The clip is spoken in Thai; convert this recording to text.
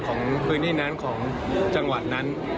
ของพื้นที่นั้นของจังหวัดนั้น